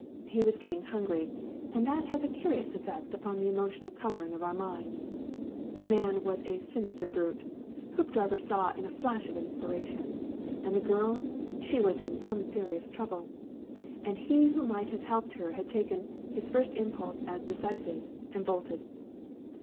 He was getting hungry, and that has a curious effect upon the emotional colouring of our minds. The man was a sinister brute, Hoopdriver saw in a flash of inspiration, and the girl she was in some serious trouble. And he who might have helped her had taken his first impulse as decisive and bolted.